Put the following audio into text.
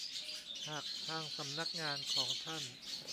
หากทางสำนักงานของท่าน